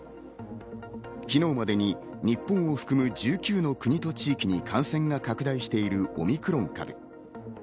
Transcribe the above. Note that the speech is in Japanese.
昨日までに日本を含む１９の国と地域に感染が拡大しているオミクロン株。